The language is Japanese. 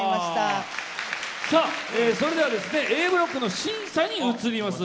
それではＡブロックの審査に移ります。